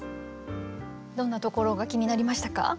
どんなところが気になりましたか？